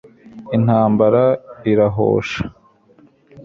intambara irahosha